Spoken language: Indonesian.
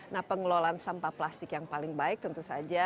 nah pengelolaan sampah plastik yang paling baik tentu saja